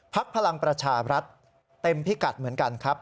พลังประชารัฐเต็มพิกัดเหมือนกันครับ